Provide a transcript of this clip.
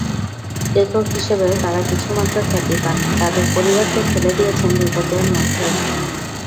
লেখক হিসেবেও তাঁরা কিছুমাত্র খ্যাতি পাননি, তাঁদের পরিবারকে ঠেলে দিয়েছেন বিপর্যয়ের মধ্যে।